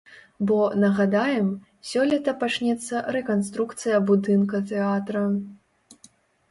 Бо, нагадаем, сёлета пачнецца рэканструкцыя будынка тэатра.